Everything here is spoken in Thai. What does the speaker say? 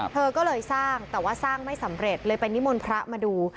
เธอก็เลยสร้างแต่ว่าสร้างไม่สำเร็จเลยเป็นนิมนต์พระมาดู